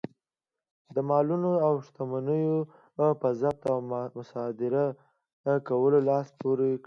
د مالونو او شتمنیو په ضبط او مصادره کولو لاس پورې کړ.